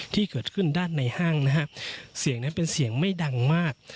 ที่เกิดขึ้นด้านในห้างนะฮะเสียงนั้นเป็นเสียงไม่ดังมาก